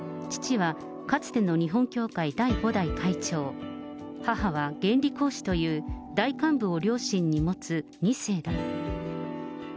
父は、かつての日本教会第５代会長、母は原理講師という大幹部を両親に持つ２世だ。